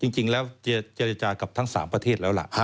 จริงแล้วเจรจากับทั้ง๓ประเทศแล้วล่ะ